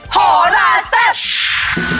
โหราซับ